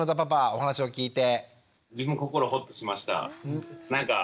お話を聞いて。